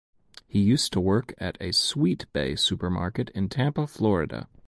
He used to work at a Sweetbay Supermarket in Tampa, Florida.